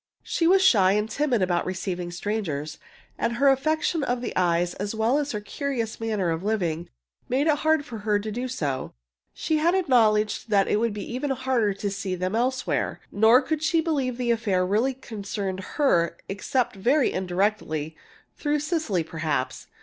She was shy and timid about receiving strangers, and her affection of the eyes, as well as her curious manner of living, made it hard for her to do so. She had to acknowledge that it would be even harder to see them elsewhere. Nor could she believe that the affair really concerned her, except very indirectly through Cecily, perhaps.